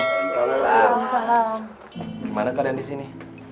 gimana keadaan disini